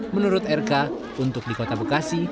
menurut rk untuk di kota bekasi